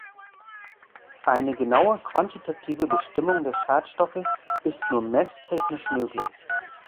Eine genaue quantitative Bestimmung der Schadstoffe ist nur messtechnisch möglich.